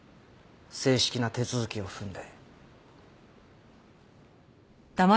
正式な手続きを踏んで。